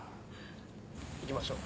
行きましょう。